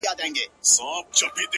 دلته اوسم،